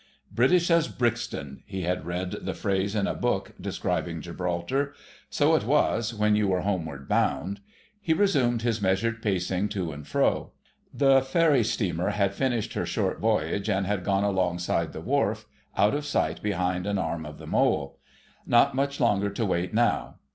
"British as Brixton!" He had read the phrase in a book once, describing Gibraltar. So it was, when you were homeward bound. He resumed his measured pacing to and fro. The ferry steamer had finished her short voyage and had gone alongside the wharf, out of sight behind an arm of the mole. Not much longer to wait now.